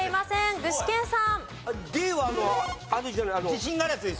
具志堅さん